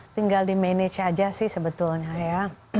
tinggal dimanage aja sih sebetulnya ya